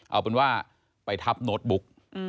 เอาเป็นว่าไปทับโน้ตบุ๊ก